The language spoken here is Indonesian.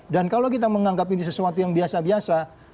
dan kalau kita menganggap ini sesuatu yang biasa biasa